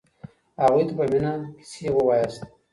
هغوی ته په مينه کيسې وواياست.